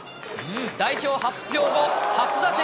代表発表後、初打席。